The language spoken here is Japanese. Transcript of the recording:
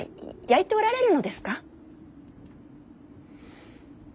やいておられるのですか。